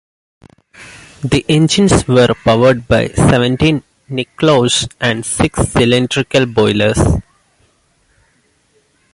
The engines were powered by seventeen Niclausse and six cylindrical boilers.